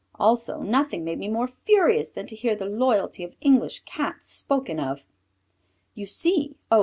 Also nothing made me more furious than to hear the loyalty of English Cats spoken of. You see, O!